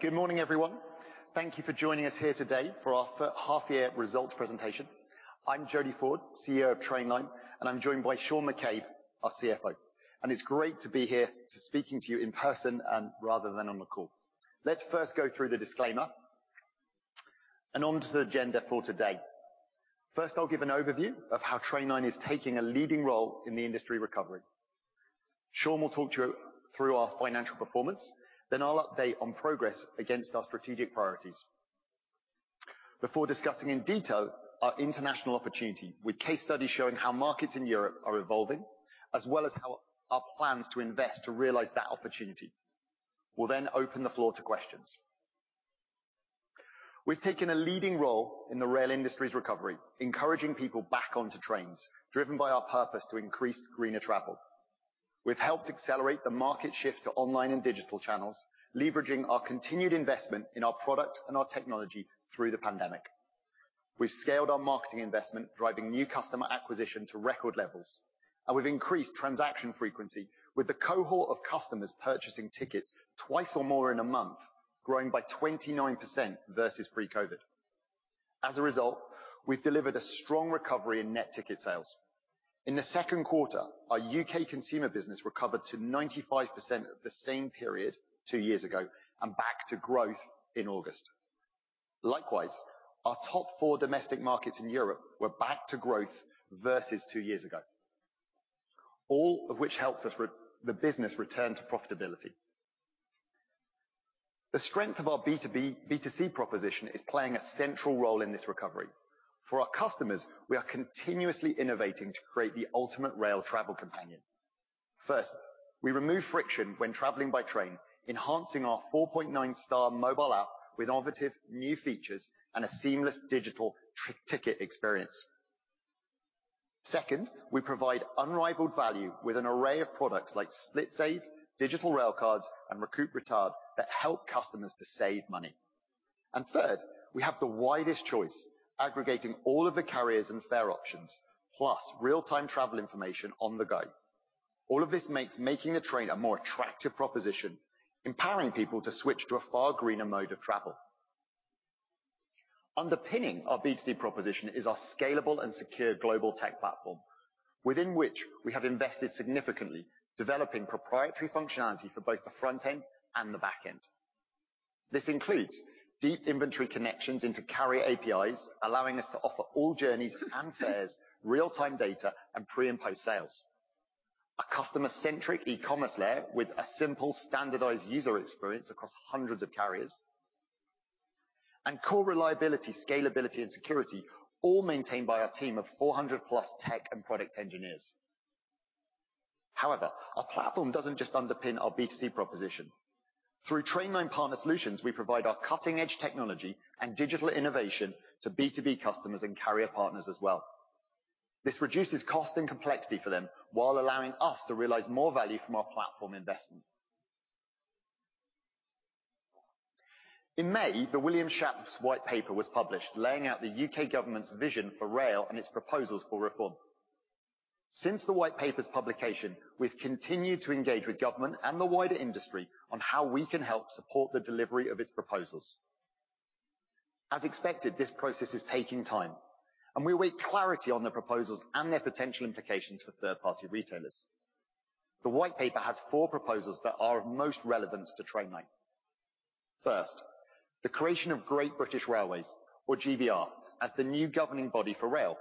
Good morning, everyone. Thank you for joining us here today for our H1-year results presentation. I'm Jody Ford, CEO of Trainline, and I'm joined by Shaun McCabe, our CFO. It's great to be here speaking to you in person rather than on a call. Let's first go through the disclaimer and onto the agenda for today. First, I'll give an overview of how Trainline is taking a leading role in the industry recovery. Shaun will talk you through our financial performance, then I'll update on progress against our strategic priorities before discussing in detail our international opportunity with case studies showing how markets in Europe are evolving, as well as how our plans to invest to realize that opportunity. We'll then open the floor to questions. We've taken a leading role in the rail industry's recovery, encouraging people back onto trains, driven by our purpose to increase greener travel. We've helped accelerate the market shift to online and digital channels, leveraging our continued investment in our product and our technology through the pandemic. We've scaled our marketing investment, driving new customer acquisition to record levels, and we've increased transaction frequency with the cohort of customers purchasing tickets twice or more in a month, growing by 29% versus pre-COVID. As a result, we've delivered a strong recovery in net ticket sales. In the Q2, our UK consumer business recovered to 95% of the same period two years ago and back to growth in August. Likewise, our top four domestic markets in Europe were back to growth versus two years ago. All of which helped us return the business to profitability. The strength of our B2B, B2C proposition is playing a central role in this recovery. For our customers, we are continuously innovating to create the ultimate rail travel companion. First, we remove friction when traveling by train, enhancing our 4.9-star mobile app with innovative new features and a seamless digital eticket experience. Second, we provide unrivaled value with an array of products like SplitSave, digital Railcards, and Delay Repay that help customers to save money. Third, we have the widest choice aggregating all of the carriers and fare options, plus real-time travel information on the go. All of this makes the train a more attractive proposition, empowering people to switch to a far greener mode of travel. Underpinning our B2C proposition is our scalable and secure global tech platform, within which we have invested significantly developing proprietary functionality for both the front end and the back end. This includes deep inventory connections into carrier APIs, allowing us to offer all journeys and fares, real-time data and pre and post sales. A customer-centric e-commerce layer with a simple, standardized user experience across hundreds of carriers. Core reliability, scalability, and security, all maintained by our team of 400+ tech and product engineers. However, our platform doesn't just underpin our B2C proposition. Through Trainline Partner Solutions, we provide our cutting-edge technology and digital innovation to B2B customers and carrier partners as well. This reduces cost and complexity for them while allowing us to realize more value from our platform investment. In May, the Williams-Shapps White Paper was published, laying out the U.K. government's vision for rail and its proposals for reform. Since the White Paper's publication, we've continued to engage with government and the wider industry on how we can help support the delivery of its proposals. As expected, this process is taking time, and we await clarity on the proposals and their potential implications for third-party retailers. The White Paper has four proposals that are of most relevance to Trainline. First, the creation of Great British Railways, or GBR, as the new governing body for rail.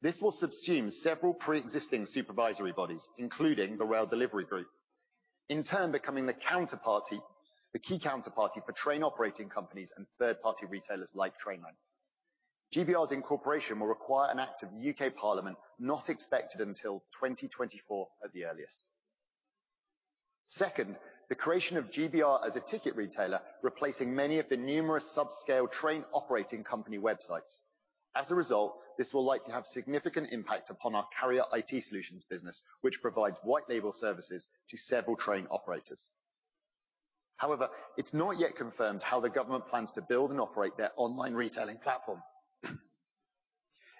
This will subsume several pre-existing supervisory bodies, including the Rail Delivery Group, in turn becoming the counterparty, the key counterparty for train operating companies and third-party retailers like Trainline. GBR's incorporation will require an act of U.K. Parliament, not expected until 2024 at the earliest. Second, the creation of GBR as a ticket retailer, replacing many of the numerous subscale train operating company websites. As a result, this will likely have significant impact upon our Carrier IT Solutions business, which provides white label services to several train operators. However, it's not yet confirmed how the government plans to build and operate their online retailing platform.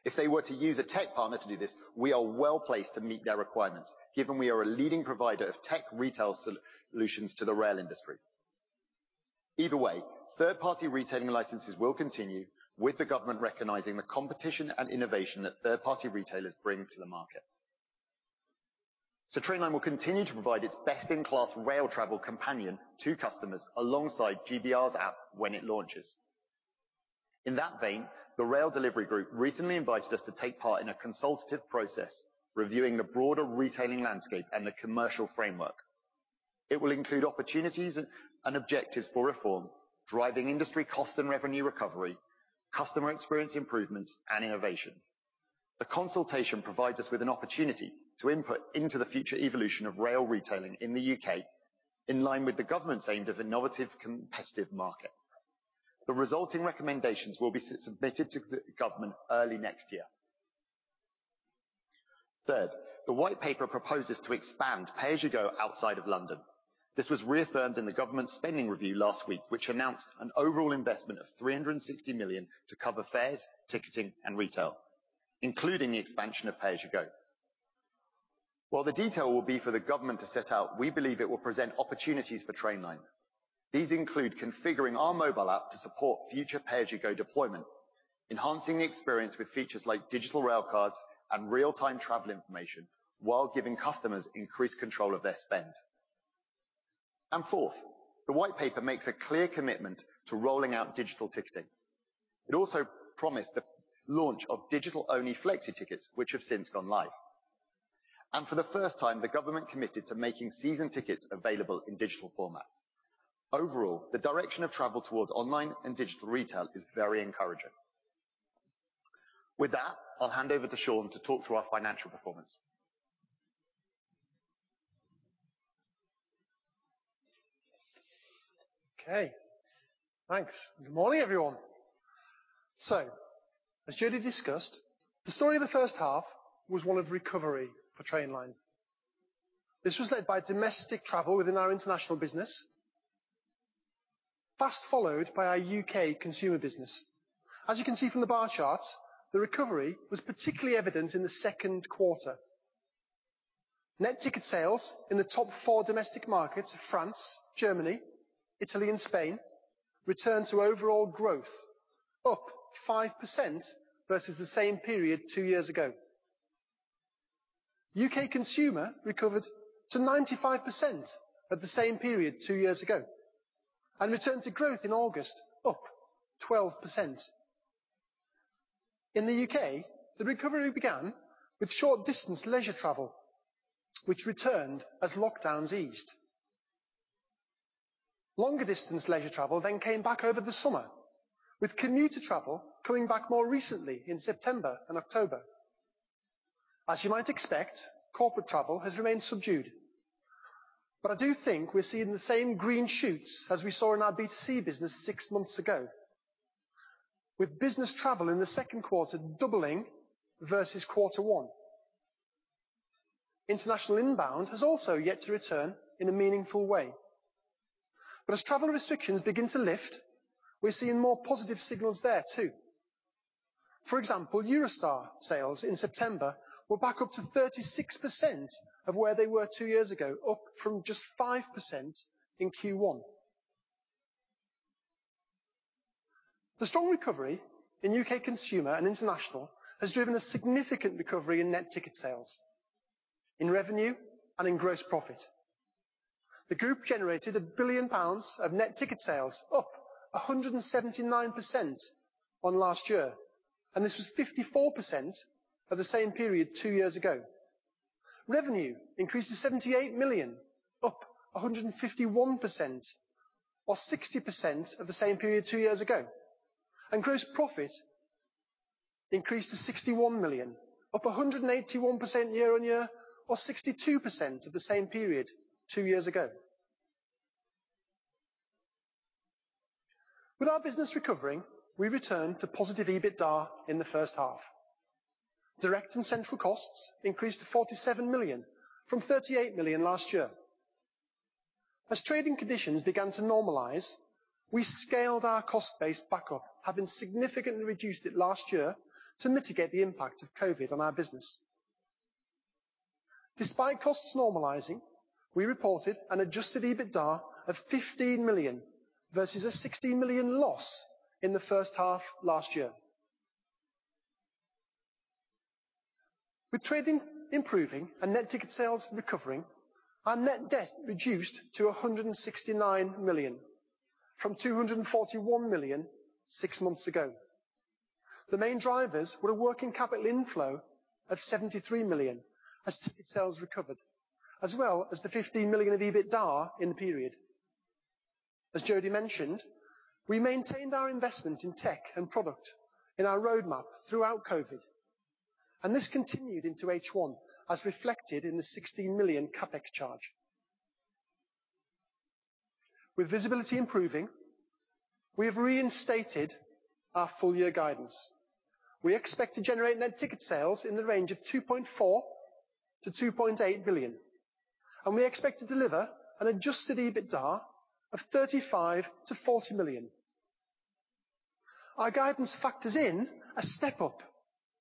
If they were to use a tech partner to do this, we are well placed to meet their requirements given we are a leading provider of tech retail solutions to the rail industry. Either way, third-party retailing licenses will continue, with the government recognizing the competition and innovation that third-party retailers bring to the market. Trainline will continue to provide its best-in-class rail travel companion to customers alongside GBR's app when it launches. In that vein, the Rail Delivery Group recently invited us to take part in a consultative process reviewing the broader retailing landscape and the commercial framework. It will include opportunities and objectives for reform, driving industry cost and revenue recovery, customer experience improvements, and innovation. The consultation provides us with an opportunity to input into the future evolution of rail retailing in the U.K. in line with the government's aim of innovative, competitive market. The resulting recommendations will be submitted to the government early next year. Third, the White Paper proposes to expand pay as you go outside of London. This was reaffirmed in the government spending review last week, which announced an overall investment of 360 million to cover fares, ticketing, and retail, including the expansion of pay as you go. While the detail will be for the government to set out, we believe it will present opportunities for Trainline. These include configuring our mobile app to support future pay-as-you-go deployment, enhancing the experience with features like digital Railcards and real-time travel information, while giving customers increased control of their spend. Fourth, the white paper makes a clear commitment to rolling out digital ticketing. It also promised the launch of digital-only Flexi tickets, which have since gone live. For the first time, the government committed to making season tickets available in digital format. Overall, the direction of travel towards online and digital retail is very encouraging. With that, I'll hand over to Shaun to talk through our financial performance. Okay. Thanks. Good morning, everyone. As Jody discussed, the story of the H1 was one of recovery for Trainline. This was led by domestic travel within our international business, fast followed by our U.K. consumer business. As you can see from the bar charts, the recovery was particularly evident in the Q2. Net ticket sales in the top four domestic markets, France, Germany, Italy, and Spain, returned to overall growth, up 5% versus the same period two years ago. U.K. consumer recovered to 95% of the same period two years ago, and returned to growth in August, up 12%. In the U.K., the recovery began with short-distance leisure travel, which returned as lockdowns eased. Longer distance leisure travel then came back over the summer, with commuter travel coming back more recently in September and October. As you might expect, corporate travel has remained subdued. I do think we're seeing the same green shoots as we saw in our B2C business six months ago, with business travel in the Q2 doubling versus Q1. International inbound has also yet to return in a meaningful way. As travel restrictions begin to lift, we're seeing more positive signals there too. For example, Eurostar sales in September were back up to 36% of where they were two years ago, up from just 5% in Q1. The strong recovery in U.K. consumer and international has driven a significant recovery in net ticket sales, in revenue and in gross profit. The group generated 1 billion pounds of net ticket sales, up 179% on last year, and this was 54% of the same period two years ago. Revenue increased to 78 million, up 151% or 60% of the same period two years ago. Gross profit increased to 61 million, up 181% year-on-year or 62% of the same period two years ago. With our business recovering, we returned to positive EBITDA in the H1. Direct and central costs increased to 47 million from 38 million last year. As trading conditions began to normalize, we scaled our cost base back up, having significantly reduced it last year to mitigate the impact of COVID on our business. Despite costs normalizing, we reported an adjusted EBITDA of 15 million versus a 16 million loss in the H1 last year. With trading improving and net ticket sales recovering, our net debt reduced to 169 million from 241 million six months ago. The main drivers were a working capital inflow of 73 million as ticket sales recovered, as well as the 15 million of EBITDA in the period. As Jody mentioned, we maintained our investment in tech and product in our roadmap throughout COVID, and this continued into H1, as reflected in the 16 million CapEx charge. With visibility improving, we have reinstated our full year guidance. We expect to generate net ticket sales in the range of 2.4 billion-2.8 billion, and we expect to deliver an adjusted EBITDA of 35 million-40 million. Our guidance factors in a step up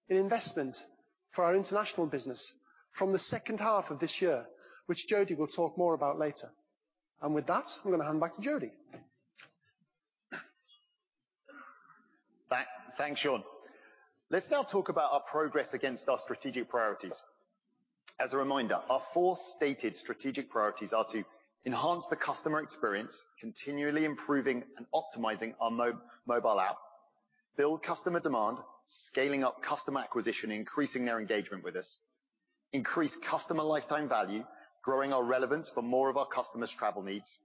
in investment for our international business from the H2 of this year, which Jody will talk more about later. With that, I'm gonna hand back to Jody. Thanks, Shaun. Let's now talk about our progress against our strategic priorities. As a reminder, our four stated strategic priorities are to enhance the customer experience, continually improving and optimizing our mobile app. Build customer demand, scaling up customer acquisition, increasing their engagement with us. Increase customer lifetime value, growing our relevance for more of our customers' travel needs.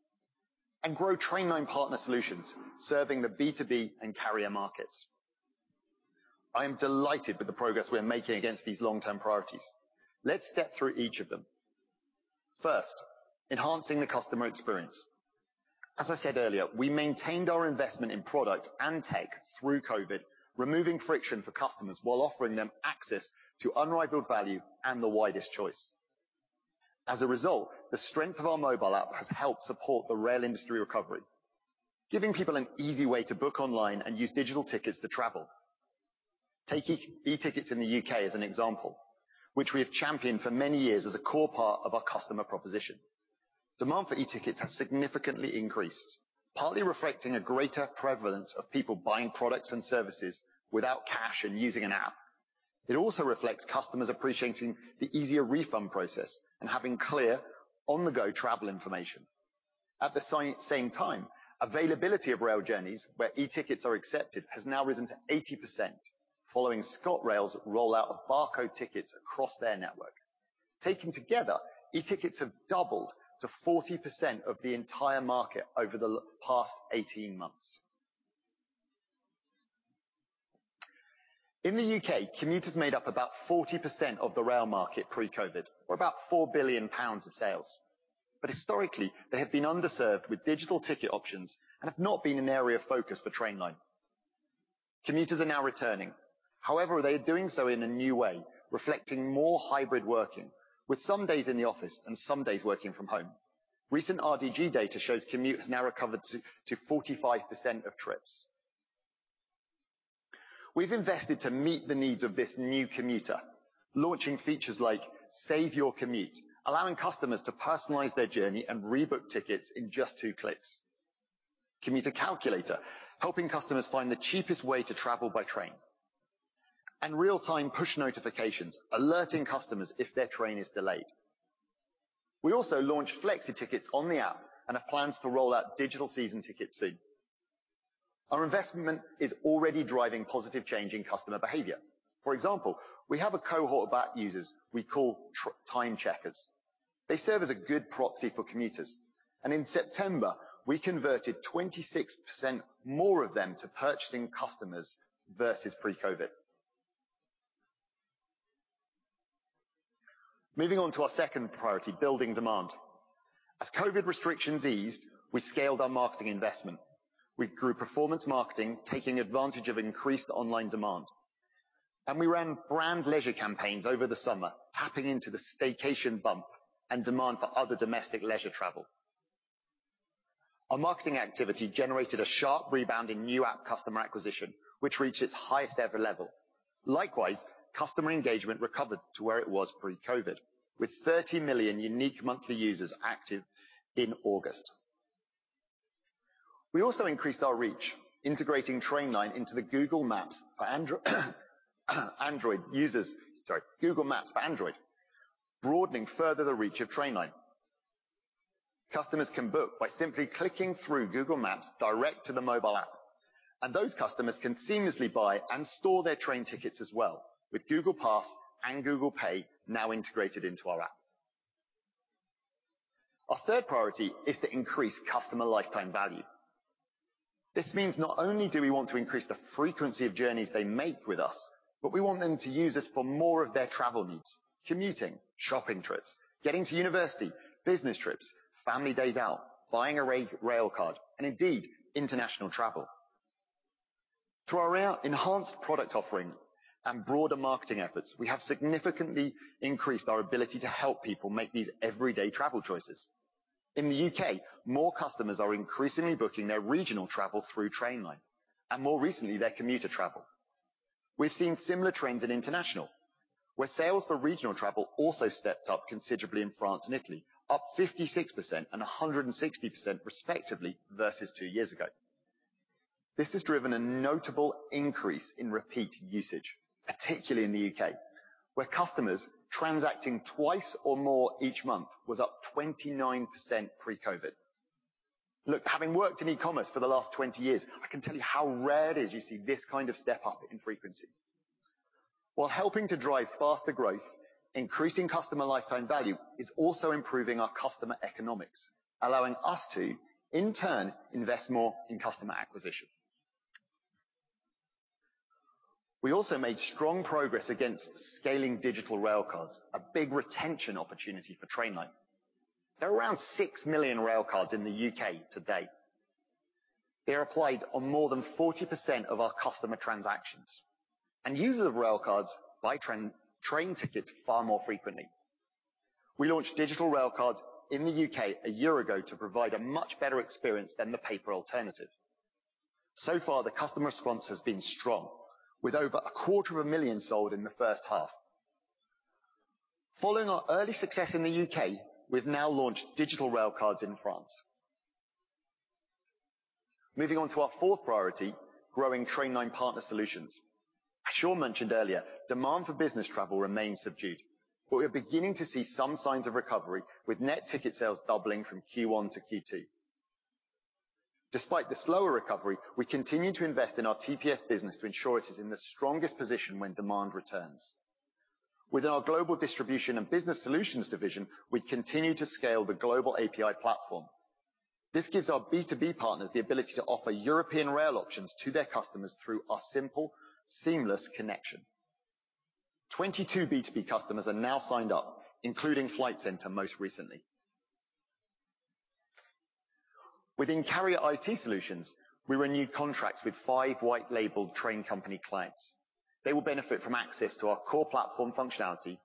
Grow Trainline Partner Solutions, serving the B2B and carrier markets. I am delighted with the progress we are making against these long-term priorities. Let's step through each of them. First, enhancing the customer experience. As I said earlier, we maintained our investment in product and tech through COVID, removing friction for customers while offering them access to unrivaled value and the widest choice. As a result, the strength of our mobile app has helped support the rail industry recovery, giving people an easy way to book online and use digital tickets to travel. Take e-tickets in the UK as an example, which we have championed for many years as a core part of our customer proposition. Demand for e-tickets has significantly increased, partly reflecting a greater prevalence of people buying products and services without cash and using an app. It also reflects customers appreciating the easier refund process and having clear on-the-go travel information. At the same time, availability of rail journeys where e-tickets are accepted has now risen to 80% following ScotRail's rollout of barcode tickets across their network. Taken together, e-tickets have doubled to 40% of the entire market over the past 18 months. In the U.K., commuters made up about 40% of the rail market pre-COVID, or about 4 billion pounds of sales. Historically, they have been underserved with digital ticket options and have not been an area of focus for Trainline. Commuters are now returning. However, they are doing so in a new way, reflecting more hybrid working, with some days in the office and some days working from home. Recent RDG data shows commutes now recovered to 45% of trips. We've invested to meet the needs of this new commuter, launching features like Save Your Commute, allowing customers to personalize their journey and rebook tickets in just 2 clicks, Commuter Calculator, helping customers find the cheapest way to travel by train, and real-time push notifications, alerting customers if their train is delayed. We also launched Flexi tickets on the app and have plans to roll out digital season tickets soon. Our investment is already driving positive change in customer behavior. For example, we have a cohort of app users we call time checkers. They serve as a good proxy for commuters, and in September, we converted 26% more of them to purchasing customers versus pre-Covid. Moving on to our second priority, building demand. As Covid restrictions eased, we scaled our marketing investment. We grew performance marketing, taking advantage of increased online demand. We ran brand leisure campaigns over the summer, tapping into the staycation bump and demand for other domestic leisure travel. Our marketing activity generated a sharp rebound in new app customer acquisition, which reached its highest ever level. Likewise, customer engagement recovered to where it was pre-Covid, with 30 million unique monthly users active in August. We also increased our reach, integrating Trainline into Google Maps for Android users, broadening further the reach of Trainline. Customers can book by simply clicking through Google Maps direct to the mobile app, and those customers can seamlessly buy and store their train tickets as well with Google Wallet and Google Pay now integrated into our app. Our third priority is to increase customer lifetime value. This means not only do we want to increase the frequency of journeys they make with us, but we want them to use us for more of their travel needs, commuting, shopping trips, getting to university, business trips, family days out, buying a Railcard, and indeed, international travel. Through our rail enhanced product offering and broader marketing efforts, we have significantly increased our ability to help people make these everyday travel choices. In the U.K., more customers are increasingly booking their regional travel through Trainline, and more recently, their commuter travel. We've seen similar trends in international, where sales for regional travel also stepped up considerably in France and Italy, up 56% and 160% respectively versus 2 years ago. This has driven a notable increase in repeat usage, particularly in the U.K., where customers transacting twice or more each month was up 29% pre-Covid. Look, having worked in e-commerce for the last 20 years, I can tell you how rare it is you see this kind of step-up in frequency. While helping to drive faster growth, increasing customer lifetime value is also improving our customer economics, allowing us to, in turn, invest more in customer acquisition. We also made strong progress against scaling digital Railcards, a big retention opportunity for Trainline. There are around 6 million Railcards in the U.K. to date. They are applied on more than 40% of our customer transactions. Users of Railcards buy train tickets far more frequently. We launched digital Railcards in the U.K. a year ago to provide a much better experience than the paper alternative. So far, the customer response has been strong, with over a quarter of a million sold in the H1. Following our early success in the U.K., we have now launched digital Railcards in France. Moving on to our fourth priority, growing Trainline Partner Solutions. As Shaun mentioned earlier, demand for business travel remains subdued, but we are beginning to see some signs of recovery with net ticket sales doubling from Q1 to Q2. Despite the slower recovery, we continue to invest in our TPS business to ensure it is in the strongest position when demand returns. Within our Global Distribution and Business Solutions division, we continue to scale the Global API platform. This gives our B2B partners the ability to offer European rail options to their customers through our simple, seamless connection. 22 B2B customers are now signed up, including Flight Centre most recently. Within Carrier IT Solutions, we renew contracts with five white labeled train company clients. They will benefit from access to our core platform functionality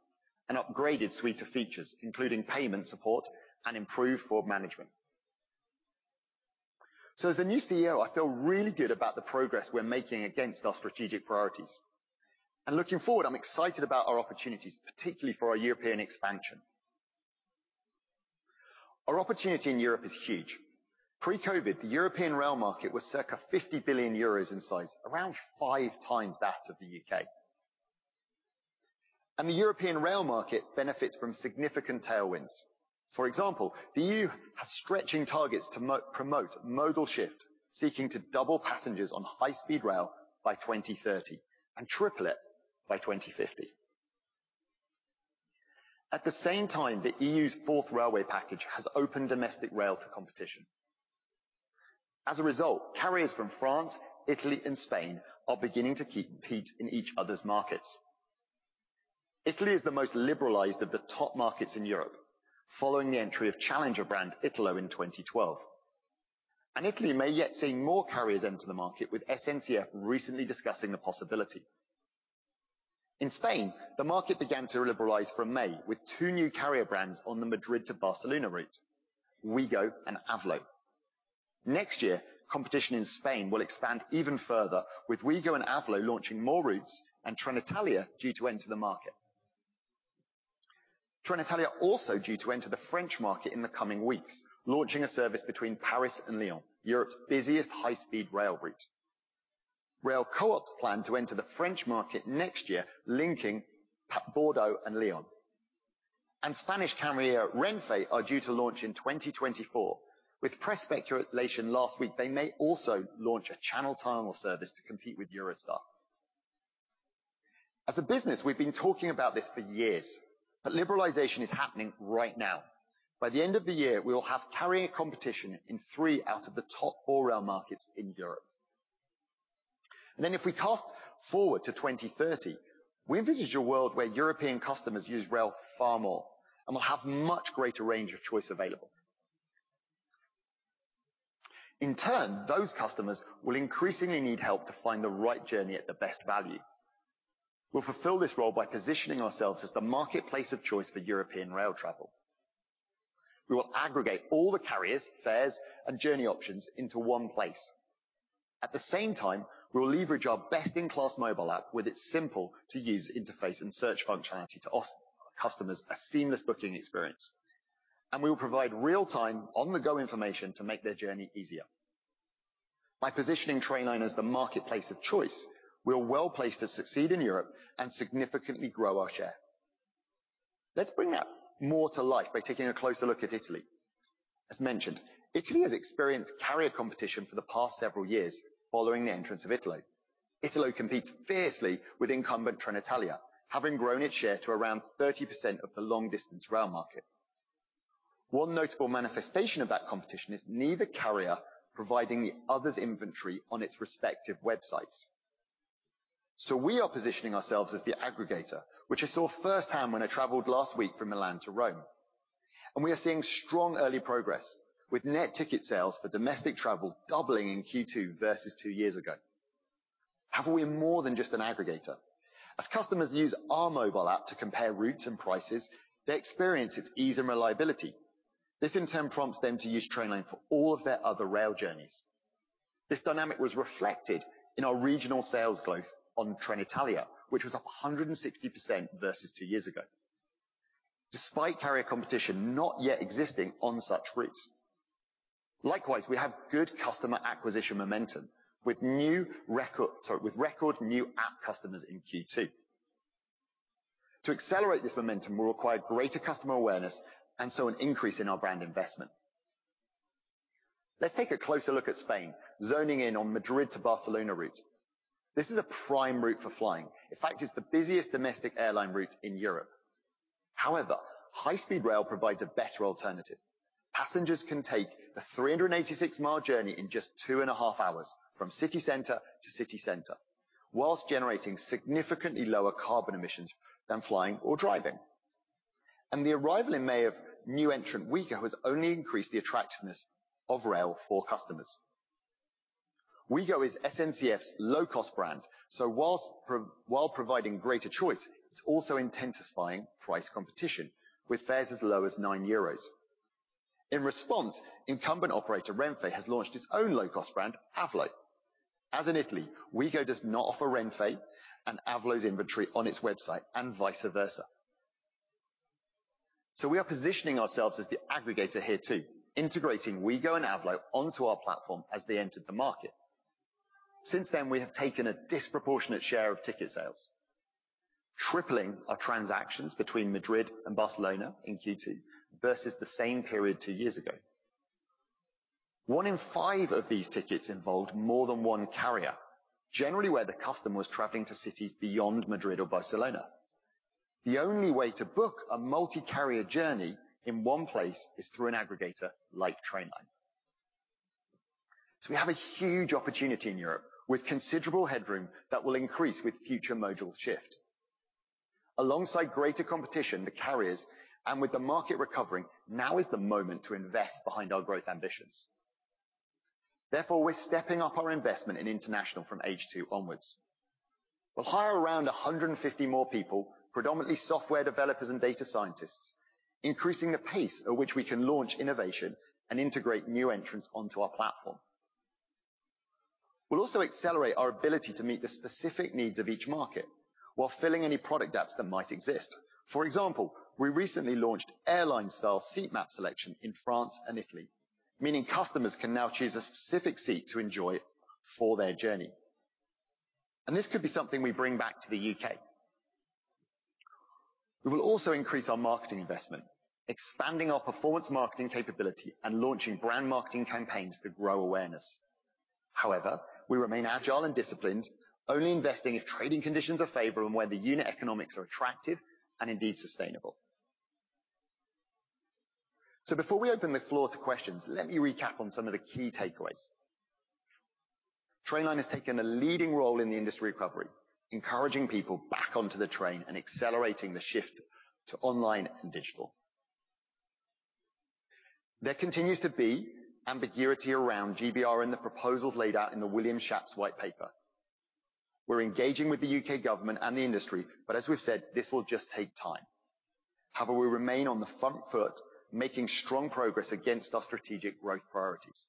and upgraded suite of features, including payment support and improved fraud management. As the new CEO, I feel really good about the progress we're making against our strategic priorities. Looking forward, I'm excited about our opportunities, particularly for our European expansion. Our opportunity in Europe is huge. Pre-COVID, the European rail market was circa 50 billion euros in size, around five times that of the UK. The European rail market benefits from significant tailwinds. For example, the EU has stretching targets to promote modal shift, seeking to double passengers on high-speed rail by 2030 and triple it by 2050. At the same time, the EU's fourth railway package has opened domestic rail to competition. As a result, carriers from France, Italy and Spain are beginning to compete in each other's markets. Italy is the most liberalized of the top markets in Europe, following the entry of challenger brand Italo in 2012. Italy may yet see more carriers enter the market with SNCF recently discussing the possibility. In Spain, the market began to liberalize from May with two new carrier brands on the Madrid to Barcelona route, OUIGO and Avlo. Next year, competition in Spain will expand even further with OUIGO and Avlo launching more routes and Trenitalia due to enter the market. Trenitalia also due to enter the French market in the coming weeks, launching a service between Paris and Lyon, Europe's busiest high-speed rail route. Railcoop plan to enter the French market next year linking Paris-Bordeaux and Lyon. Spanish carrier Renfe are due to launch in 2024. With press speculation last week, they may also launch a Channel Tunnel service to compete with Eurostar. As a business, we've been talking about this for years, but liberalization is happening right now. By the end of the year, we will have carrier competition in three out of the top four rail markets in Europe. Then if we cast forward to 2030, we envisage a world where European customers use rail far more and will have much greater range of choice available. In turn, those customers will increasingly need help to find the right journey at the best value. We'll fulfill this role by positioning ourselves as the marketplace of choice for European rail travel. We will aggregate all the carriers, fares, and journey options into one place. At the same time, we will leverage our best-in-class mobile app with its simple to use interface and search functionality to offer customers a seamless booking experience. We will provide real-time, on-the-go information to make their journey easier. By positioning Trainline as the marketplace of choice, we're well-placed to succeed in Europe and significantly grow our share. Let's bring that more to life by taking a closer look at Italy. As mentioned, Italy has experienced carrier competition for the past several years following the entrance of Italo. Italo competes fiercely with incumbent Trenitalia, having grown its share to around 30% of the long-distance rail market. One notable manifestation of that competition is neither carrier providing the other's inventory on its respective websites. We are positioning ourselves as the aggregator, which I saw firsthand when I traveled last week from Milan to Rome. We are seeing strong early progress with net ticket sales for domestic travel doubling in Q2 versus two years ago. However, we are more than just an aggregator. As customers use our mobile app to compare routes and prices, they experience its ease and reliability. This in turn prompts them to use Trainline for all of their other rail journeys. This dynamic was reflected in our regional sales growth on Trenitalia, which was up 160% versus two years ago, despite carrier competition not yet existing on such routes. Likewise, we have good customer acquisition momentum with record new app customers in Q2. To accelerate this momentum, we'll require greater customer awareness and so an increase in our brand investment. Let's take a closer look at Spain, zoning in on Madrid to Barcelona route. This is a prime route for flying. In fact, it's the busiest domestic airline route in Europe. However, high-speed rail provides a better alternative. Passengers can take the 386-mile journey in just two and a half hours from city center to city center, while generating significantly lower carbon emissions than flying or driving. The arrival in May of new entrant OUIGO has only increased the attractiveness of rail for customers. OUIGO is SNCF's low cost brand, while providing greater choice, it's also intensifying price competition with fares as low as 9 euros. In response, incumbent operator Renfe has launched its own low cost brand, Avlo. As in Italy, OUIGO does not offer Renfe and Avlo's inventory on its website and vice versa. We are positioning ourselves as the aggregator here too, integrating OUIGO and Avlo onto our platform as they entered the market. Since then, we have taken a disproportionate share of ticket sales, tripling our transactions between Madrid and Barcelona in Q2 versus the same period two years ago. One in five of these tickets involved more than one carrier, generally where the customer was traveling to cities beyond Madrid or Barcelona. The only way to book a multi-carrier journey in one place is through an aggregator like Trainline. We have a huge opportunity in Europe with considerable headroom that will increase with future modal shift. Alongside greater competition, the carriers and with the market recovering, now is the moment to invest behind our growth ambitions. Therefore, we're stepping up our investment in international from H2 onwards. We'll hire around 150 more people, predominantly software developers and data scientists, increasing the pace at which we can launch innovation and integrate new entrants onto our platform. We'll also accelerate our ability to meet the specific needs of each market while filling any product gaps that might exist. For example, we recently launched airline-style seat map selection in France and Italy, meaning customers can now choose a specific seat to enjoy for their journey, and this could be something we bring back to the UK. We will also increase our marketing investment, expanding our performance marketing capability and launching brand marketing campaigns to grow awareness. However, we remain agile and disciplined, only investing if trading conditions are favorable and where the unit economics are attractive and indeed sustainable. Before we open the floor to questions, let me recap on some of the key takeaways. Trainline has taken a leading role in the industry recovery, encouraging people back onto the train and accelerating the shift to online and digital. There continues to be ambiguity around GBR and the proposals laid out in the Williams-Shapps Plan for Rail. We're engaging with the U.K. government and the industry, but as we've said, this will just take time. However, we remain on the front foot, making strong progress against our strategic growth priorities.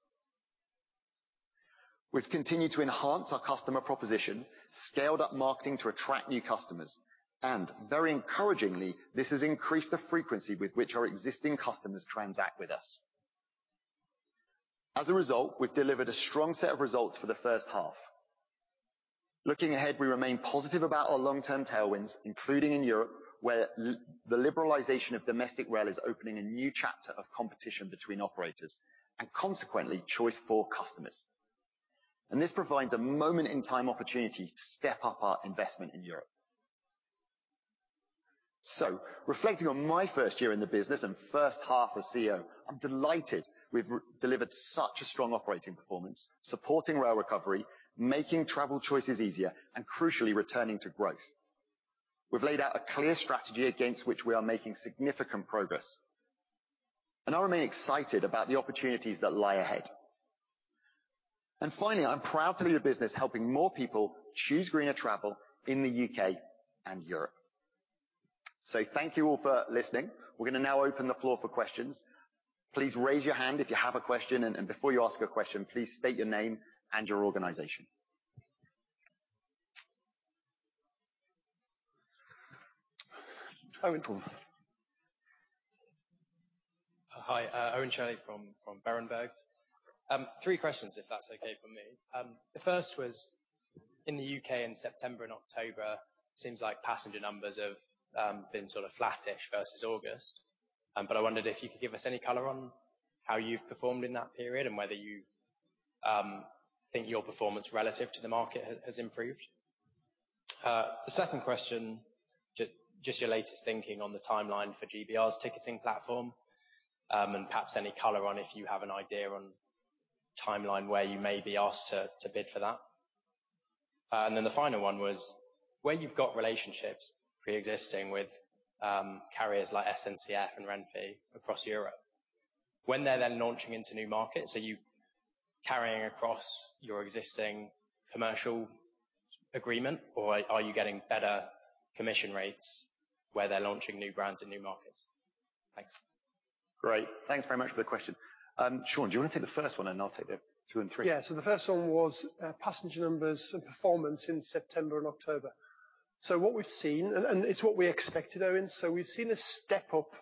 We've continued to enhance our customer proposition, scaled up marketing to attract new customers, and very encouragingly, this has increased the frequency with which our existing customers transact with us. As a result, we've delivered a strong set of results for the H1. Looking ahead, we remain positive about our long-term tailwinds, including in Europe, where the liberalization of domestic rail is opening a new chapter of competition between operators and consequently choice for customers. This provides a moment-in-time opportunity to step up our investment in Europe. Reflecting on my first year in the business and H1 as CEO, I'm delighted we've delivered such a strong operating performance, supporting rail recovery, making travel choices easier, and crucially, returning to growth. We've laid out a clear strategy against which we are making significant progress, and I remain excited about the opportunities that lie ahead. I'm proud to be in a business helping more people choose greener travel in the UK and Europe. Thank you all for listening. We're gonna now open the floor for questions. Please raise your hand if you have a question, and before you ask a question, please state your name and your organization. Owen. Hi, Owen Shirley from Berenberg. Three questions, if that's okay for me. The first was, in the UK in September and October, seems like passenger numbers have been sort of flattish versus August. I wondered if you could give us any color on how you've performed in that period and whether you think your performance relative to the market has improved. The second question, just your latest thinking on the timeline for GBR's ticketing platform, and perhaps any color on if you have an idea on timeline where you may be asked to bid for that. The final one was, where you've got relationships preexisting with carriers like SNCF and Renfe across Europe, when they're then launching into new markets, are you carrying across your existing commercial agreement, or are you getting better commission rates where they're launching new brands in new markets? Thanks. Great. Thanks very much for the question. Shaun, do you wanna take the first one and I'll take the two and three? Yeah. The first one was passenger numbers and performance in September and October. What we've seen, and it's what we expected, Owen. We've seen a step-up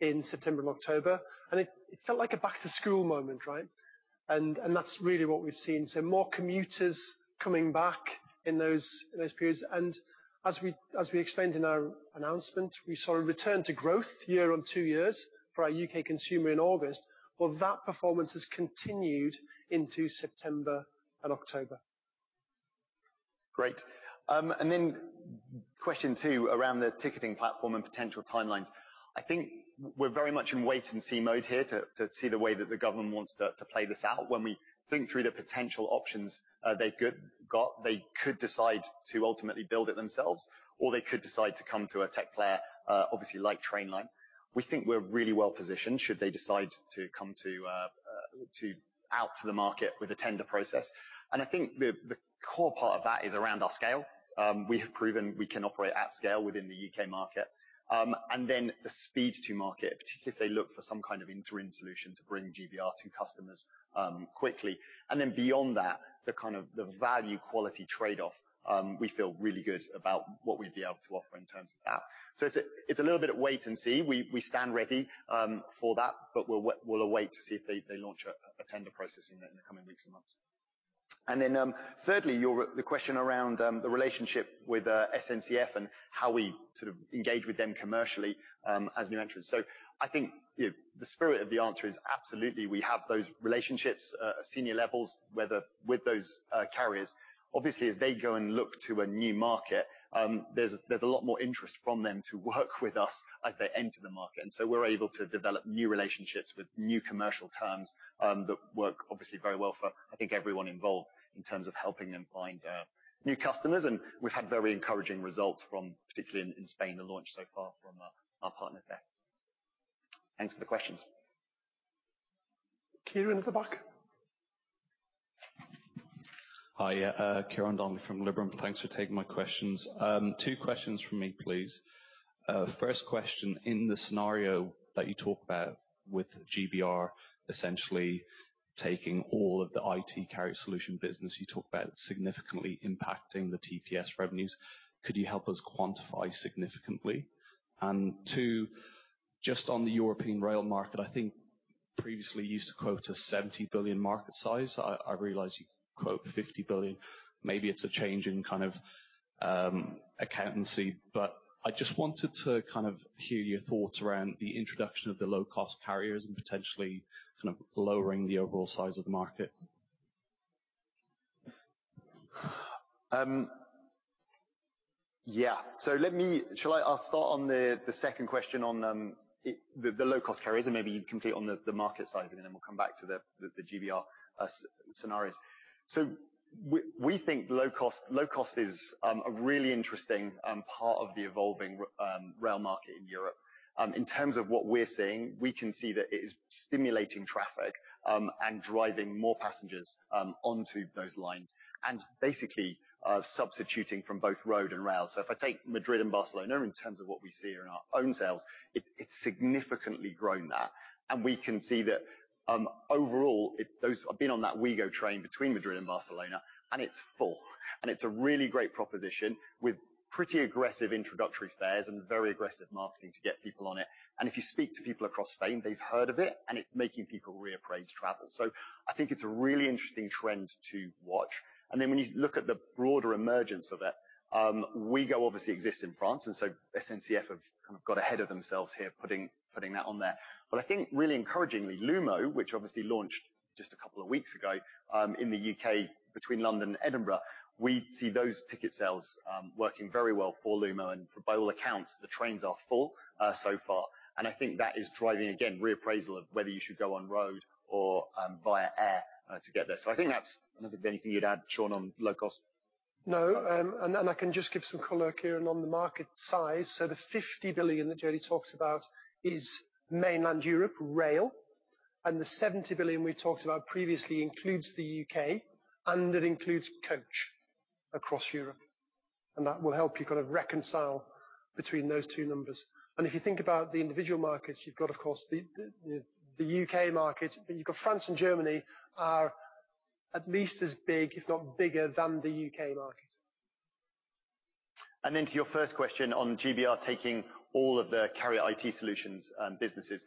in September and October, and it felt like a back to school moment, right? That's really what we've seen. More commuters coming back in those periods. As we explained in our announcement, we saw a return to growth year-on-year for our U.K. consumer in August. Well, that performance has continued into September and October. Great. Question two around the ticketing platform and potential timelines. I think we're very much in wait and see mode here to see the way that the government wants to play this out. When we think through the potential options, they could decide to ultimately build it themselves, or they could decide to come to a tech player, obviously like Trainline. We think we're really well positioned should they decide to come out to the market with a tender process. I think the core part of that is around our scale. We have proven we can operate at scale within the U.K. market. The speed to market, particularly if they look for some kind of interim solution to bring GBR to customers, quickly. Beyond that, the kind of value quality trade-off, we feel really good about what we'd be able to offer in terms of that. It's a little bit of wait and see. We stand ready for that, but we'll await to see if they launch a tender process in the coming weeks and months. Thirdly, the question around the relationship with SNCF and how we sort of engage with them commercially as new entrants. I think the spirit of the answer is absolutely, we have those relationships at senior levels, whether with those carriers. Obviously, as they go and look to a new market, there's a lot more interest from them to work with us as they enter the market. We're able to develop new relationships with new commercial terms that work obviously very well for, I think, everyone involved in terms of helping them find new customers. We've had very encouraging results from, particularly in Spain, the launch so far from our partners there. Thanks for the questions. Ciarán at the back. Hi. Ciarán Donnelly from Liberum. Thanks for taking my questions. Two questions from me, please. First question. In the scenario that you talked about with GBR, essentially taking all of the Carrier IT Solutions business, you talked about significantly impacting the TPS revenues. Could you help us quantify significantly? And two, just on the European rail market, I think previously you used to quote a 70 billion market size. I realize you quote 50 billion. Maybe it's a change in kind of accountancy, but I just wanted to kind of hear your thoughts around the introduction of the low cost carriers and potentially kind of lowering the overall size of the market. I'll start on the second question on the low cost carriers and maybe you can complete on the market sizing, and then we'll come back to the GBR scenarios. We think low cost is a really interesting part of the evolving rail market in Europe. In terms of what we're seeing, we can see that it is stimulating traffic and driving more passengers onto those lines and basically substituting from both road and air. If I take Madrid and Barcelona in terms of what we see in our own sales, it's significantly grown that. We can see that overall, I've been on that OUIGO train between Madrid and Barcelona, and it's full. It's a really great proposition with pretty aggressive introductory fares and very aggressive marketing to get people on it. If you speak to people across Spain, they've heard of it, and it's making people reappraise travel. I think it's a really interesting trend to watch. When you look at the broader emergence of it, OUIGO obviously exists in France, and so SNCF have kind of got ahead of themselves here, putting that on there. I think really encouragingly, Lumo, which obviously launched just a couple of weeks ago, in the U.K. between London and Edinburgh, we see those ticket sales working very well for Lumo. By all accounts, the trains are full so far. I think that is driving, again, reappraisal of whether you should go on road or via air to get there. I think that's. I don't know if there's anything you'd add, Shaun, on low cost. No. I can just give some color, Ciarán, on the market size. The 50 billion that Jody talked about is mainland Europe rail, and the 70 billion we talked about previously includes the UK, and it includes coach across Europe. That will help you kind of reconcile between those two numbers. If you think about the individual markets, you've got, of course, the UK market, but you've got France and Germany are at least as big, if not bigger than the UK market. To your first question on GBR taking all of the Carrier IT Solutions businesses.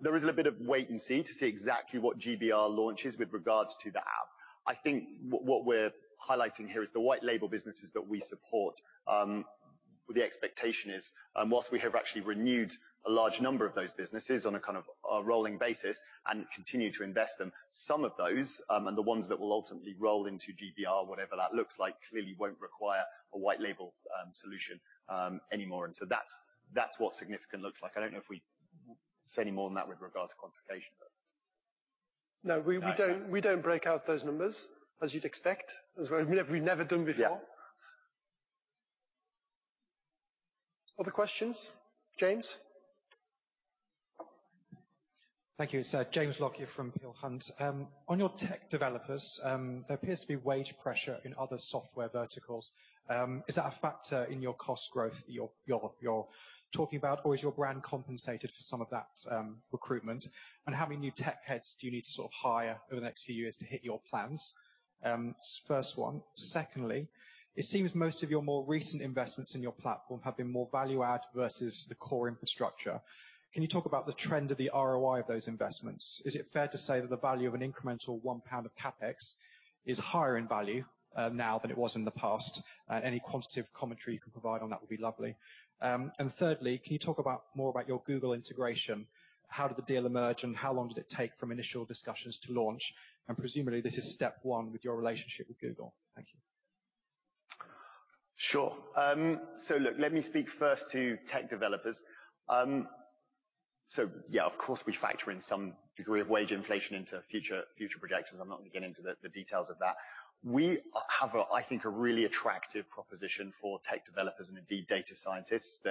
There is a little bit of wait and see to see exactly what GBR launches with regards to the app. I think what we're highlighting here is the white label businesses that we support. The expectation is, whilst we have actually renewed a large number of those businesses on a kind of a rolling basis and continue to invest in some of those, and the ones that will ultimately roll into GBR, whatever that looks like, clearly won't require a white label solution anymore. That's what significant looks like. I don't know if we say any more than that with regards to quantification. No. We don't break out those numbers as you'd expect, as we've never done before. Yeah. Other questions? James? Thank you. It's James Lockyer here from Peel Hunt. On your tech developers, there appears to be wage pressure in other software verticals. Is that a factor in your cost growth that you're talking about? Or is your brand compensated for some of that recruitment? How many new tech heads do you need to sort of hire over the next few years to hit your plans? First one. Secondly, it seems most of your more recent investments in your platform have been more value add versus the core infrastructure. Can you talk about the trend of the ROI of those investments? Is it fair to say that the value of an incremental 1 pound of CapEx is higher in value now than it was in the past? Any quantitative commentary you can provide on that would be lovely. Thirdly, can you talk about more about your Google integration? How did the deal emerge, and how long did it take from initial discussions to launch? Presumably, this is step one with your relationship with Google. Thank you. Sure. So look, let me speak first to tech developers. So yeah, of course we factor in some degree of wage inflation into future projections. I'm not gonna get into the details of that. We have, I think, a really attractive proposition for tech developers and indeed data scientists.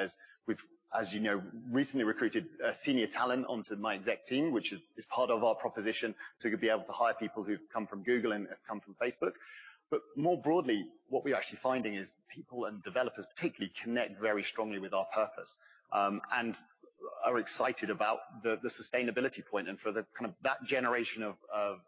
We've, as you know, recently recruited senior talent onto my exec team, which is part of our proposition to be able to hire people who've come from Google and come from Facebook. But more broadly, what we're actually finding is people and developers particularly connect very strongly with our purpose and are excited about the sustainability point. For the kind of that generation of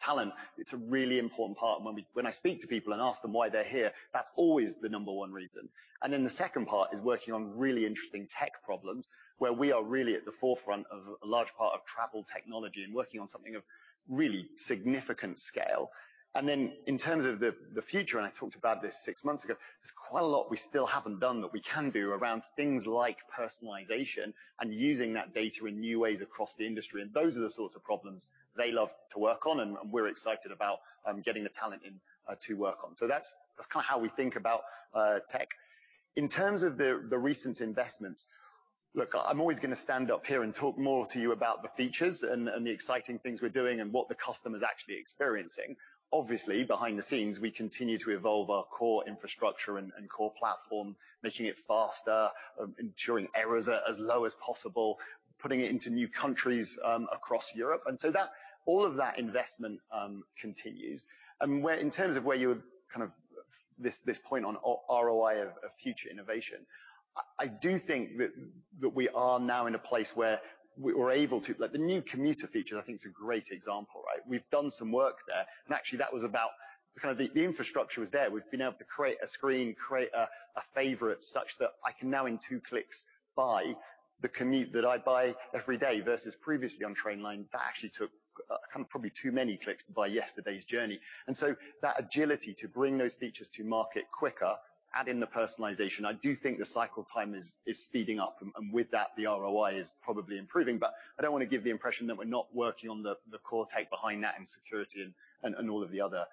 talent, it's a really important part. When I speak to people and ask them why they're here, that's always the number one reason. The second part is working on really interesting tech problems where we are really at the forefront of a large part of travel technology and working on something of really significant scale. In terms of the future, and I talked about this six months ago, there's quite a lot we still haven't done that we can do around things like personalization and using that data in new ways across the industry. Those are the sorts of problems they love to work on, and we're excited about getting the talent in to work on. That's kinda how we think about tech. In terms of the recent investments. Look, I'm always gonna stand up here and talk more to you about the features and the exciting things we're doing and what the customer is actually experiencing. Obviously, behind the scenes, we continue to evolve our core infrastructure and core platform, making it faster, ensuring errors are as low as possible, putting it into new countries across Europe. All of that investment continues. In terms of this point on ROI of future innovation, I do think that we are now in a place where we're able to, like the new commuter feature I think is a great example, right? We've done some work there, and actually that was about the kind of infrastructure that was there. We've been able to create a screen, create a favorite such that I can now in 2 clicks buy the commute that I buy every day versus previously on Trainline, that actually took kind of probably too many clicks to buy yesterday's journey. That agility to bring those features to market quicker, add in the personalization, I do think the cycle time is speeding up. With that, the ROI is probably improving. But I don't wanna give the impression that we're not working on the core tech behind that and security and all of the other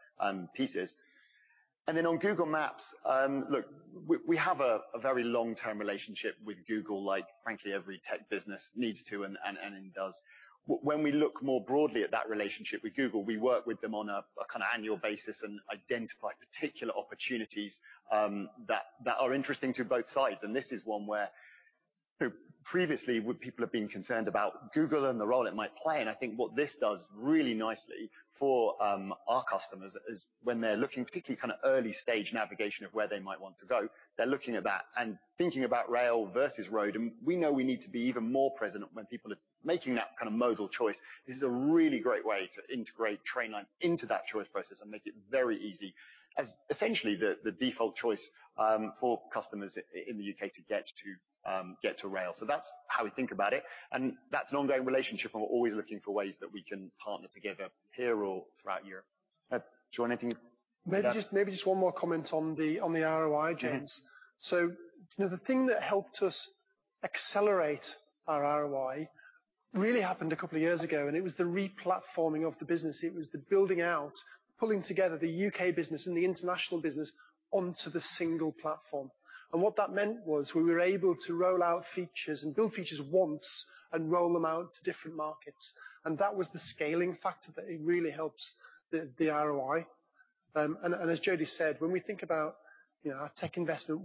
pieces. On Google Maps, look, we have a very long-term relationship with Google, like frankly, every tech business needs to and does. When we look more broadly at that relationship with Google, we work with them on a kind of annual basis and identify particular opportunities that are interesting to both sides. This is one where previously people have been concerned about Google and the role it might play. I think what this does really nicely for our customers is when they're looking particularly kind of early stage navigation of where they might want to go, they're looking at that and thinking about rail versus road. We know we need to be even more present when people are making that kind of modal choice. This is a really great way to integrate Trainline into that choice process and make it very easy as essentially the default choice for customers in the U.K. to get to rail. That's how we think about it, and that's an ongoing relationship, and we're always looking for ways that we can partner together here or throughout Europe. Do you want anything? Maybe just one more comment on the ROI, James. Yeah. You know, the thing that helped us accelerate our ROI really happened a couple of years ago, and it was the replatforming of the business. It was the building out, pulling together the U.K. business and the international business onto the single platform. What that meant was we were able to roll out features and build features once and roll them out to different markets. That was the scaling factor that it really helps the ROI. As Jody said, when we think about, you know, our tech investment,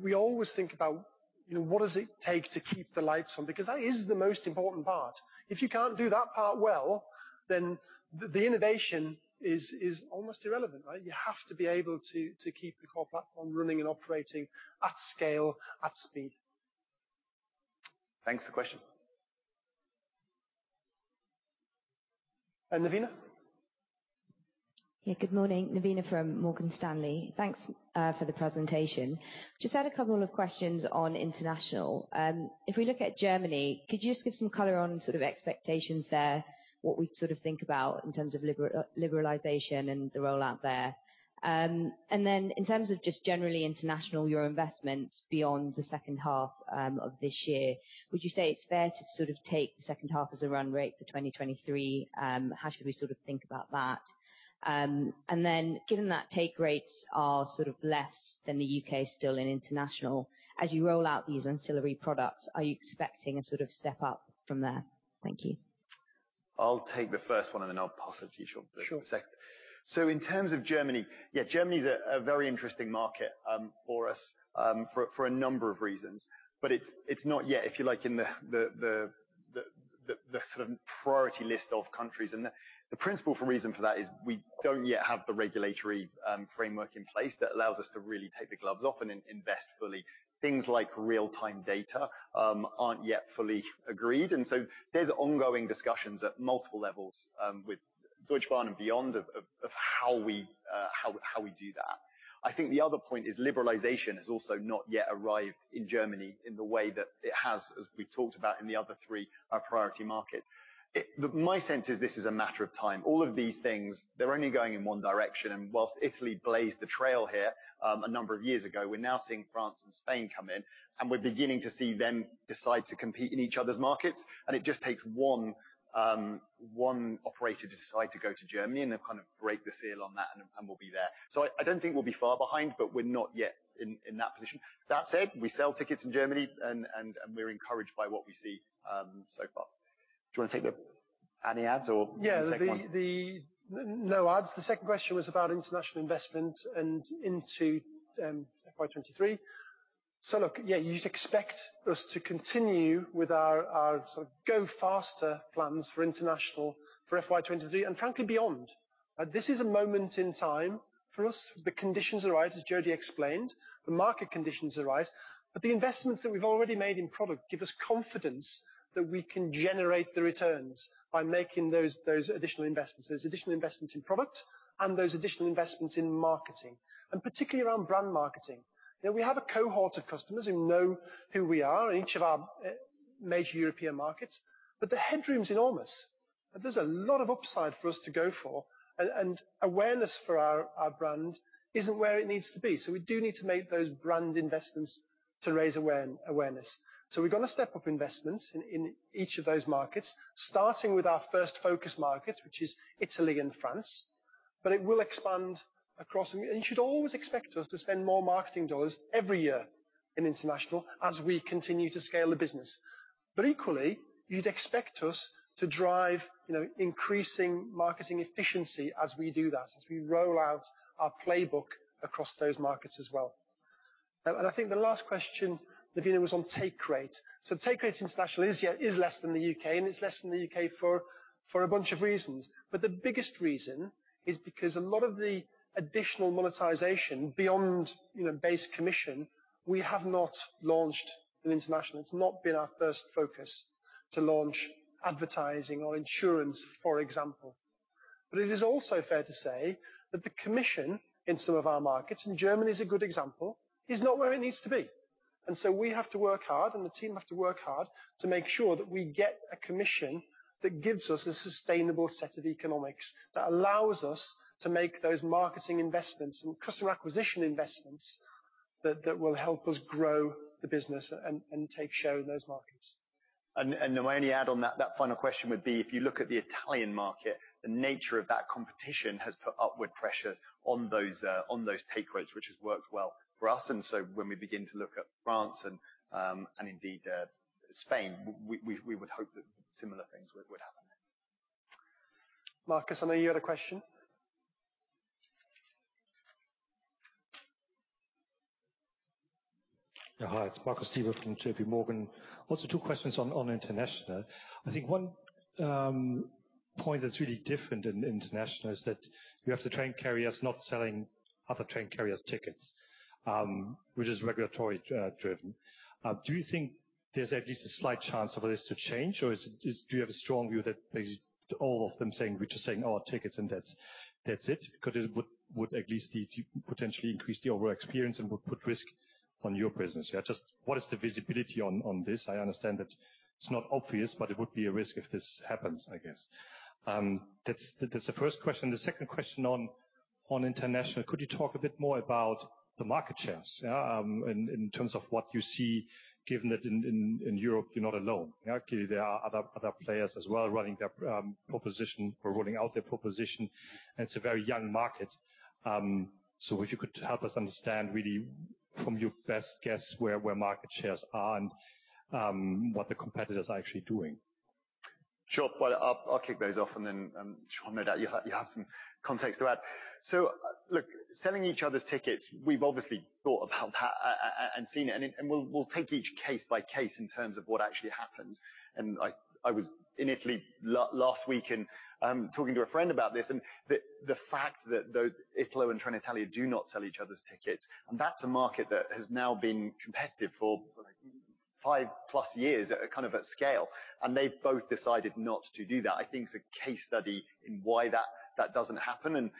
we always think about, you know, what does it take to keep the lights on? Because that is the most important part. If you can't do that part well, then the innovation is almost irrelevant, right? You have to be able to keep the core platform running and operating at scale, at speed. Thanks for the question. Navina. Yeah. Good morning. Navina from Morgan Stanley. Thanks for the presentation. Just had a couple of questions on international. If we look at Germany, could you just give some color on sort of expectations there, what we'd sort of think about in terms of liberalization and the rollout there? And then in terms of just generally international, your investments beyond the H2 of this year, would you say it's fair to sort of take the H2 as a run rate for 2023? How should we sort of think about that? And then given that take rates are sort of less than the UK still in international, as you roll out these ancillary products, are you expecting a sort of step up from there? Thank you. I'll take the first one, and then I'll pass it to you Shaun for the second. Sure. In terms of Germany, yeah, Germany's a very interesting market for us, for a number of reasons. But it's not yet, if you like, in the sort of priority list of countries. The principal reason for that is we don't yet have the regulatory framework in place that allows us to really take the gloves off and invest fully. Things like real-time data aren't yet fully agreed, and so there's ongoing discussions at multiple levels with Deutsche Bahn and beyond of how we do that. I think the other point is liberalization has also not yet arrived in Germany in the way that it has, as we've talked about in the other three priority markets. My sense is this is a matter of time. All of these things, they're only going in one direction, and while Italy blazed the trail here, a number of years ago, we're now seeing France and Spain come in. We're beginning to see them decide to compete in each other's markets. It just takes one operator to decide to go to Germany, and they'll kind of break the seal on that, and we'll be there. I don't think we'll be far behind, but we're not yet in that position. That said, we sell tickets in Germany and we're encouraged by what we see so far. Do you wanna take any adds or you can take the second one? The second question was about international investment and into FY 2023. Look, yeah, you'd expect us to continue with our sort of go faster plans for international FY 2023 and frankly beyond. This is a moment in time for us. The conditions are right, as Jody Ford explained. The market conditions are right. The investments that we've already made in product give us confidence that we can generate the returns by making those additional investments. Those additional investments in product and those additional investments in marketing, and particularly around brand marketing. You know, we have a cohort of customers who know who we are in each of our major European markets, but the headroom's enormous. There's a lot of upside for us to go for, and awareness for our brand isn't where it needs to be. We do need to make those brand investments to raise awareness. We're gonna step up investment in each of those markets, starting with our first focus markets, which is Italy and France, but it will expand across. You should always expect us to spend more marketing dollars every year in international as we continue to scale the business. Equally, you'd expect us to drive, you know, increasing marketing efficiency as we do that, as we roll out our playbook across those markets as well. I think the last question, Navina, was on take rate. Take rate in international is, yeah, less than the U.K., and it's less than the U.K. for a bunch of reasons. The biggest reason is because a lot of the additional monetization beyond, you know, base commission, we have not launched in international. It's not been our first focus to launch advertising or insurance, for example. It is also fair to say that the commission in some of our markets, and Germany is a good example, is not where it needs to be. We have to work hard, and the team have to work hard to make sure that we get a commission that gives us a sustainable set of economics that allows us to make those marketing investments and customer acquisition investments that will help us grow the business and take share in those markets. May I only add on that final question would be, if you look at the Italian market, the nature of that competition has put upward pressure on those take rates, which has worked well for us. When we begin to look at France and indeed Spain, we would hope that similar things would happen. Marcus, I know you had a question. Yeah. Hi, it's Marcus Diebel from JP Morgan. Also two questions on international. I think one point that's really different in international is that you have the train carriers not selling other train carriers' tickets, which is regulatory driven. Do you think there's at least a slight chance of this to change? Or is it do you have a strong view that basically all of them saying, we're just selling our tickets and that's it? Because it would at least potentially increase the overall experience and would put risk on your business. Yeah, just what is the visibility on this? I understand that it's not obvious, but it would be a risk if this happens, I guess. That's the first question. The second question on international, could you talk a bit more about the market shares? Yeah, in terms of what you see, given that in Europe, you're not alone. Clearly, there are other players as well running their proposition or rolling out their proposition, and it's a very young market. If you could help us understand really from your best guess, where market shares are and what the competitors are actually doing. Sure. Well, I'll kick those off, and then, Shaun, no doubt you'll have some context to add. Look, selling each other's tickets, we've obviously thought about how and seen it. We'll take each case by case in terms of what actually happens. I was in Italy last week and talking to a friend about this. The fact that though Italo and Trenitalia do not sell each other's tickets, and that's a market that has now been competitive for five-plus years at a kind of scale. They've both decided not to do that. I think it's a case study in why that doesn't happen.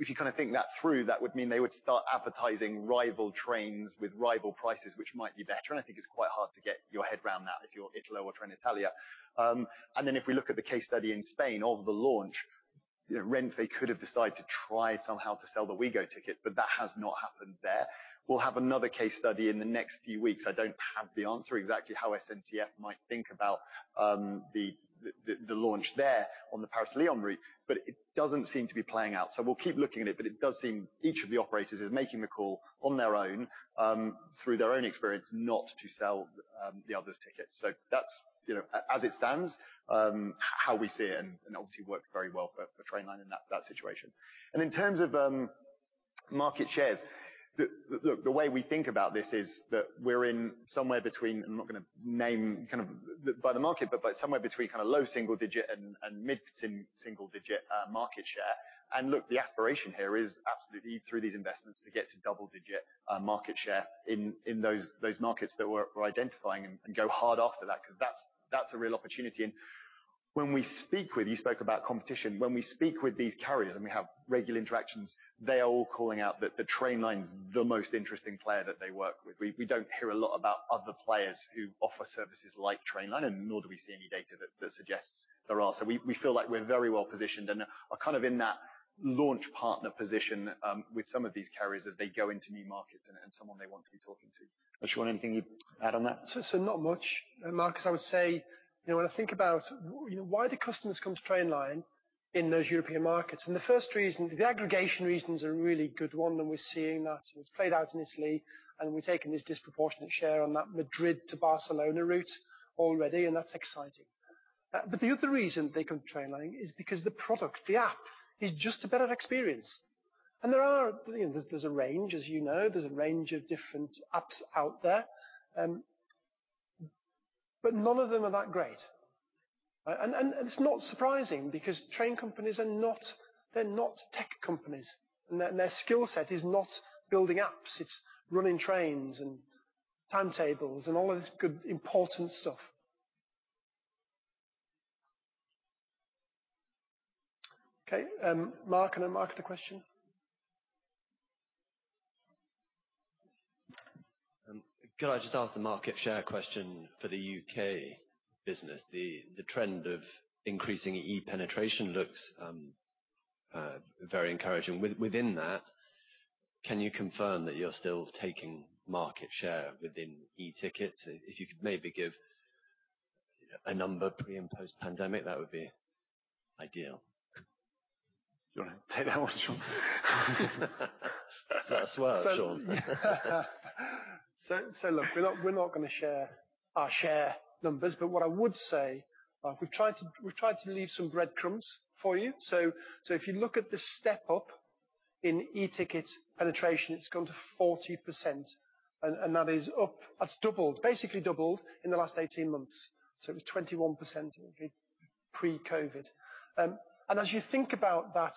If you kind of think that through, that would mean they would start advertising rival trains with rival prices, which might be better. I think it's quite hard to get your head around that if you're Italo or Trenitalia. And then if we look at the case study in Spain of the launch, you know, Renfe could have decided to try somehow to sell the OUIGO tickets, but that has not happened there. We'll have another case study in the next few weeks. I don't have the answer exactly how SNCF might think about the launch there on the Paris-Lyon route, but it doesn't seem to be playing out. So we'll keep looking at it, but it does seem each of the operators is making the call on their own through their own experience not to sell the others' tickets. So that's, you know, as it stands how we see it and obviously works very well for Trainline in that situation. In terms of market shares, look, the way we think about this is that we're in somewhere between. I'm not gonna name kind of by the market, but by somewhere between low single digit and mid single digit market share. Look, the aspiration here is absolutely through these investments to get to double-digit market share in those markets that we're identifying and go hard after that because that's a real opportunity. You spoke about competition. When we speak with these carriers, and we have regular interactions, they are all calling out that Trainline's the most interesting player that they work with. We don't hear a lot about other players who offer services like Trainline, and nor do we see any data that suggests there are. We feel like we're very well-positioned and are kind of in that launch partner position with some of these carriers as they go into new markets and someone they want to be talking to. Shaun, anything you'd add on that? Not much. Marcus, I would say, you know, when I think about why do customers come to Trainline in those European markets? The first reason, the aggregation reason's a really good one, and we're seeing that, and it's played out in Italy, and we've taken this disproportionate share on that Madrid to Barcelona route already, and that's exciting. The other reason they come to Trainline is because the product, the app is just a better experience. There are, you know, there's a range, as you know, of different apps out there. None of them are that great. It's not surprising because train companies are not tech companies. Their skill set is not building apps. It's running trains and timetables and all of this good important stuff. Okay, Mark, another Mark had a question. Could I just ask the market share question for the UK business? The trend of increasing e-penetration looks very encouraging. Within that, can you confirm that you're still taking market share within etickets? If you could maybe give a number pre- and post-pandemic, that would be ideal. You wanna take that one, Shaun? That's work, Shaun. Look, we're not gonna share our search numbers, but what I would say, we've tried to leave some breadcrumbs for you. If you look at the step up in eticket penetration, it's gone to 40%. That's doubled, basically doubled in the last 18 months. It was 21% pre-COVID. As you think about that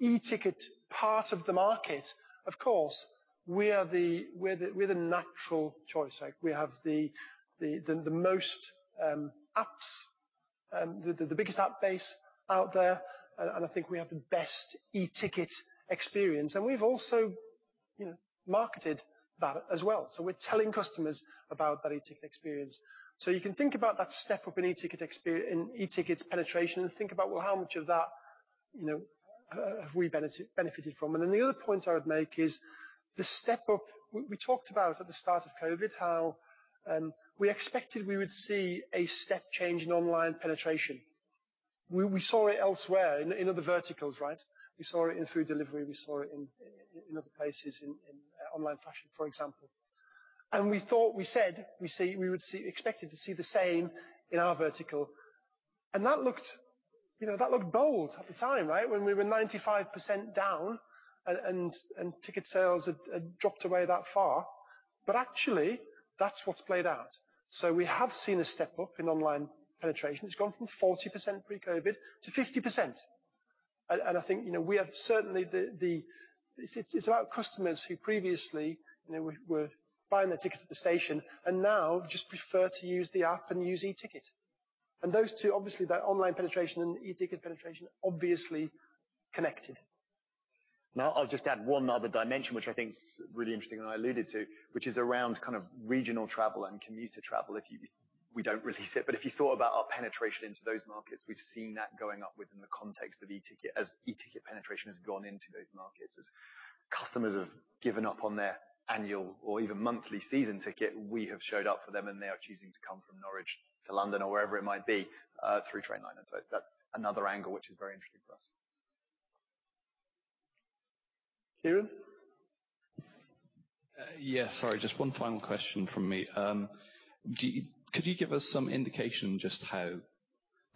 eticket part of the market, of course, we're the natural choice. Like, we have the most apps, the biggest app base out there, and I think we have the best eticket experience. We've also, you know, marketed that as well. We're telling customers about that eticket experience. You can think about that step up in etickets penetration and think about, well, how much of that, you know, have we benefited from. Then the other point I would make is the step up. We talked about at the start of COVID how we expected we would see a step change in online penetration. We saw it elsewhere in other verticals, right? We saw it in food delivery, we saw it in other places, in online fashion, for example. We thought, we said expected to see the same in our vertical. That looked, you know, bold at the time, right? When we were 95% down and ticket sales had dropped away that far. Actually, that's what's played out. We have seen a step up in online penetration. It's gone from 40% pre-COVID to 50%. I think, you know, we have certainly. It's about customers who previously, you know, were buying their tickets at the station and now just prefer to use the app and use e-ticket. Those two, obviously that online penetration and e-ticket penetration obviously connected. Now, I'll just add one other dimension, which I think is really interesting, and I alluded to, which is around kind of regional travel and commuter travel. We don't release it, but if you thought about our penetration into those markets, we've seen that going up within the context of e-ticket. As e-ticket penetration has gone into those markets, as customers have given up on their annual or even monthly season ticket, we have showed up for them, and they are choosing to come from Norwich to London or wherever it might be through Trainline. That's another angle which is very interesting for us. Ciarán? Yeah. Sorry, just one final question from me. Could you give us some indication just how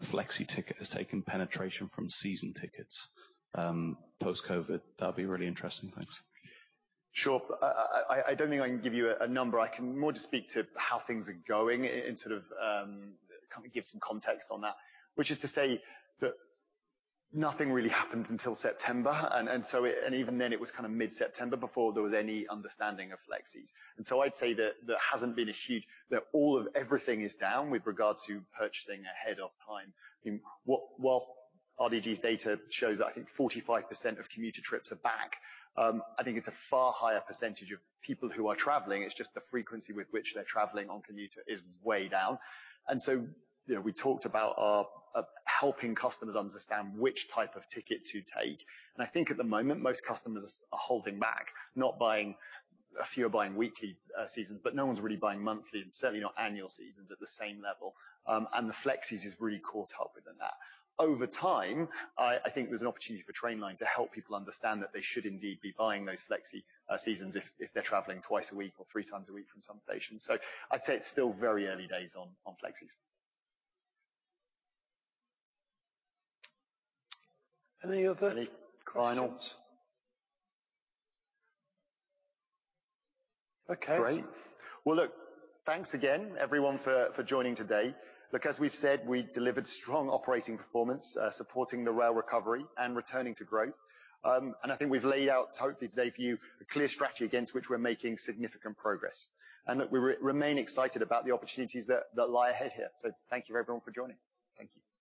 Flexi ticket has taken penetration from season tickets, post-COVID? That'd be really interesting. Thanks. Sure. I don't think I can give you a number. I can more just speak to how things are going and sort of kind of give some context on that. Which is to say that nothing really happened until September, and even then it was kinda mid-September before there was any understanding of Flexis. I'd say that there hasn't been a shift, that all of everything is down with regard to purchasing ahead of time. While RDG's data shows that I think 45% of commuter trips are back, I think it's a far higher percentage of people who are traveling. It's just the frequency with which they're traveling on commuter is way down. You know, we talked about helping customers understand which type of ticket to take. I think at the moment, most customers are holding back, not buying. A few are buying weekly seasons, but no one's really buying monthly and certainly not annual seasons at the same level. The Flexis has really caught up within that. Over time, I think there's an opportunity for Trainline to help people understand that they should indeed be buying those Flexi seasons if they're traveling twice a week or three times a week from some stations. I'd say it's still very early days on Flexis. Any other questions? Any? Okay. Great. Well, look, thanks again, everyone, for joining today. Look, as we've said, we delivered strong operating performance, supporting the rail recovery and returning to growth. I think we've laid out hopefully today for you a clear strategy against which we're making significant progress, and that we remain excited about the opportunities that lie ahead here. Thank you everyone for joining. Thank you. Thanks.